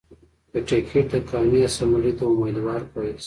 پۀ ټکټ د قامي اسمبلۍ د اميدوار پۀ حېثيت